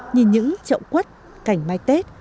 nhìn những trộm quất cảnh mai tết